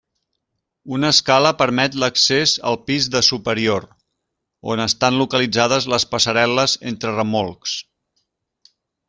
Una escala permet l'accés al pis de superior, on estan localitzades les passarel·les entre remolcs.